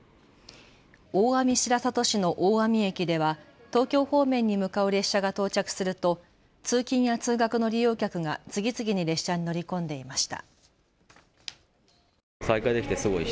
大網白里市の大網駅では東京方面に向かう列車が到着すると通勤や通学の利用客が次々に列車に乗り込んでいました。